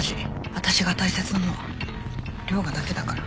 私が大切なのは涼牙だけだから。